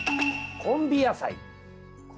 コンビ野菜？